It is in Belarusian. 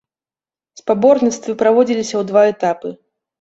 Спаборніцтвы праводзіліся ў два этапы.